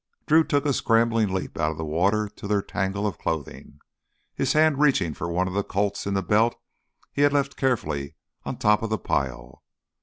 Drew took a scrambling leap out of the water to their tangle of clothing, his hand reaching for one of the Colts in the belt he had left carefully on top of the pile.